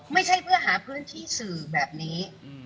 ไม่ใช่เพื่อหาพื้นที่สื่อแบบนี้